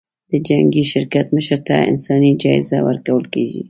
د جنګي شرکت مشر ته انساني جایزه ورکول کېږي.